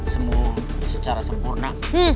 sembuh secara sempurna